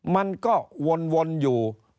มันก็วนอยู่